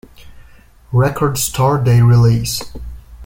Record Store Day release.